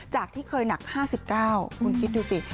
จากที่เคยหนัก๕๙กิโลกรัมคุณคิดดูสิ